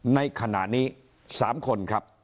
ในขณะนี้๓คนครับ